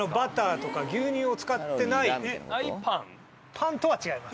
パンとは違います。